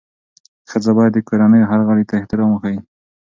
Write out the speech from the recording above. ښځه باید د کورنۍ هر غړي ته احترام وښيي.